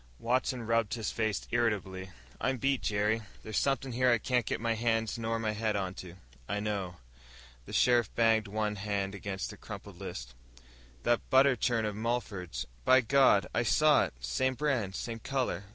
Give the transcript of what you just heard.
Watson rubbed his face irritably. "I'm beat, Jerry. There's somethin' here I can't get my hands nor my head onto." "I know." The sheriff banged one big hand against the crumpled list. "That butter churn of Mulford's. By God, I saw it! Same brand, same color.